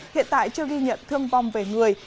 hiện tại chưa ghi nhận thương vong về người